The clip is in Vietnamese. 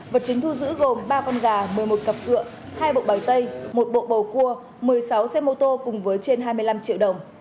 vật chứng thu giữ gồm ba con gà một mươi một cặp cửa hai bộ bài tay một bộ bầu cua một mươi sáu xe mô tô cùng với trên hai mươi năm triệu đồng